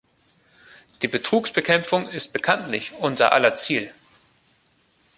Die Betrugsbekämpfung ist bekanntlich unser aller Ziel.